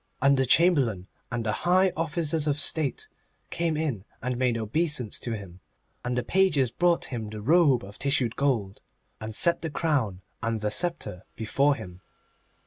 And the Chamberlain and the high officers of State came in and made obeisance to him, and the pages brought him the robe of tissued gold, and set the crown and the sceptre before him.